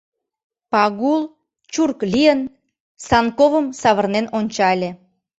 Пагул, чурк лийын, Санковым савырнен ончале.